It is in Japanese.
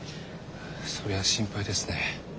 それは心配ですね。